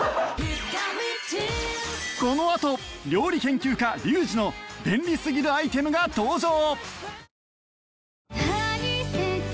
このあと料理研究家リュウジの便利すぎるアイテムが登場